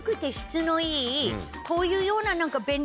こういうような何か。